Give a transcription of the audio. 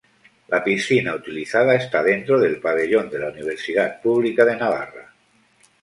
La piscina utilizada está dentro del Pabellón de la Universidad Pública de Navarra.